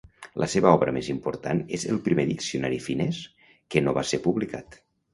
La seva obra més important és el primer diccionari finès que no va ser publicat.